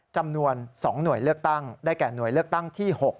จำนวน๒หน่วยเลือกตั้งได้แก่หน่วยเลือกตั้งที่๖